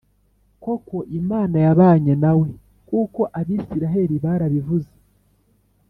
koko Imana yabanye na we kuko Abisirayeli barabivuze